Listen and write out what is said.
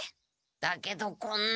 だけどこんな。